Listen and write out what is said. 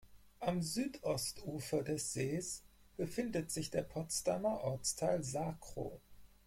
Am Südostufer des Sees befindet sich der Potsdamer Ortsteil Sacrow.